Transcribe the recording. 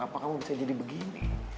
apa kamu bisa jadi begini